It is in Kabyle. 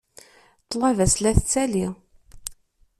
Ṭṭlaba-s la tettali.